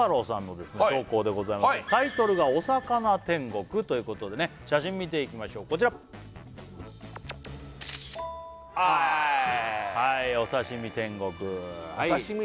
投稿でございますタイトルが「お魚天国」ということでね写真見ていきましょうこちらははいお刺身天国お刺身？